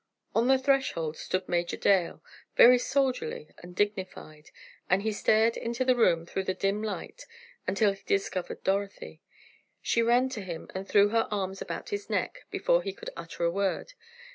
On the threshold stood Major Dale, very soldierly and dignified, and he stared into the room through the dim light until he discovered Dorothy. She ran to him and threw her arms about his neck before he could utter a word.